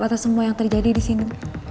atas semua yang terjadi disini